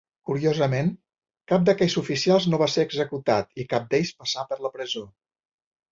Curiosament, cap d'aquests oficials no va ser executat, i cap d'ell passà per la presó.